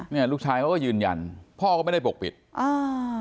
เนี่ยลูกชายเขาก็ยืนยันพ่อก็ไม่ได้ปกปิดอ่า